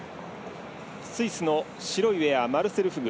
スイスの白いウエアマルセル・フグ